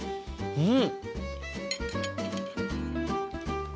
うん。